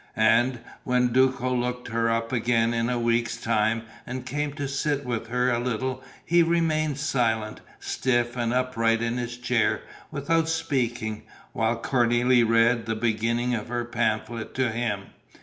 And, when Duco looked her up again in a week's time and came to sit with her a little, he remained silent, stiff and upright in his chair, without speaking, while Cornélie read the beginning of her pamphlet to him.